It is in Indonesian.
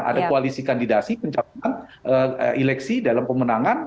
ada koalisi kandidasi pencalonan eleksi dalam pemenangan